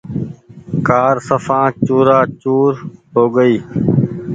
ڪآر سڦان چورآ چور هو گئي ۔